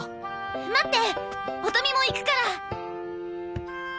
待って音美も行くから。